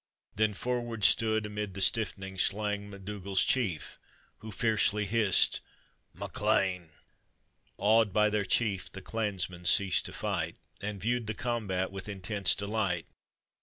Then forward stood amid the stiffening slain, MacDougall's chief, who fiercely hissed " Mac Lean 1" Awed by their chief, the clansmen ceased to fight, And viewed the combat with intense delight.